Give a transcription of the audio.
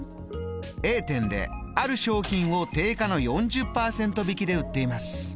Ａ店である商品を定価の４０％引きで売っています。